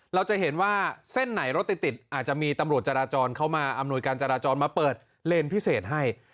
เราจะเห็นว่าเส้นไหนรถติดอาจจะมีตำรวจจราจรเข้ามาอำนวยการจราจรมาเปิดเลนพิเศษให้